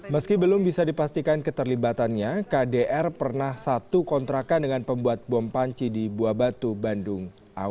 meski belum bisa dipastikan keterlibatannya kdr pernah satu kontrakan dengan pembuat bom panci di buah batu bandung